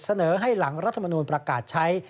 เสนอให้หลังรัฐมนูลประกาศใช้